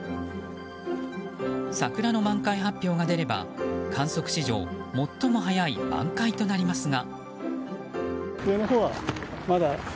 桜の満開発表が出れば観測史上最も早い満開となりますが。